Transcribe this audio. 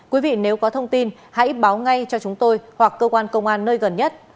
quý vị nếu có thông tin hãy báo ngay cho chúng tôi hoặc cơ quan công an nơi gần nhất